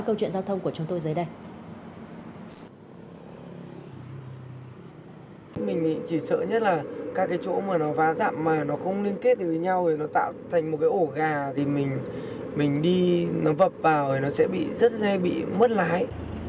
câu chuyện giao thông của chúng tôi dưới đây